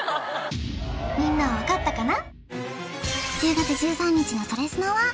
みんなは分かったかな？